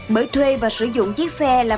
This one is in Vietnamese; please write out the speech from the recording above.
bởi thuê và sử dụng chiếc xe là phương án